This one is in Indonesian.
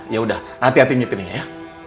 yaudah hati hati nyetirinnya ya